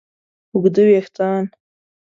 اوږده وېښتیان